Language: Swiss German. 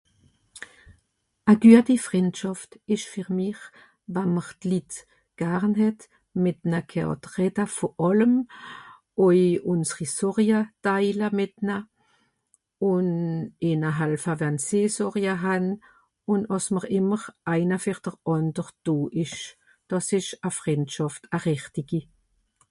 A güati Frìndschàft ìsch fer mich, wann m'r d'Litt garn het, mìt ne keàt reda vu àllem. Àui ùnsri Sorja teila mìt na. Ùn ì na halfa wann sìe Sorja han, ùn àss mìr ìmmer eina fer d'r ànder do ìsch. Dàs ìsch a Frìndschàft, a rìchtigi.